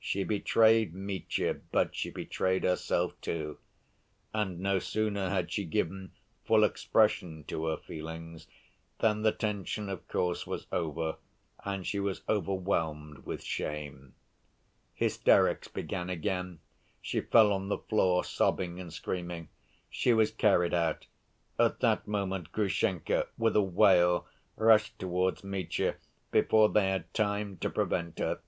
She betrayed Mitya, but she betrayed herself, too. And no sooner had she given full expression to her feelings than the tension of course was over and she was overwhelmed with shame. Hysterics began again: she fell on the floor, sobbing and screaming. She was carried out. At that moment Grushenka, with a wail, rushed towards Mitya before they had time to prevent her.